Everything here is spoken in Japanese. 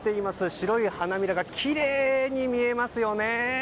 白い花びらがきれいに見えますよね。